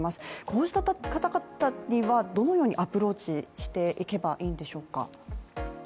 こうした方々には、どのようにアプローチしていけばいいんでしょうか。